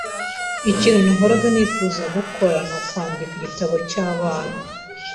Ikintu nahoraga nifuza gukora nukwandika igitabo cyabana.